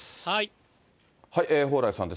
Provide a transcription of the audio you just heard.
蓬莱さんです。